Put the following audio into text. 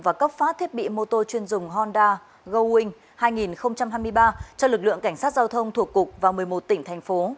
và cấp phát thiết bị mô tô chuyên dùng honda gowing hai nghìn hai mươi ba cho lực lượng cảnh sát giao thông thuộc cục và một mươi một tỉnh thành phố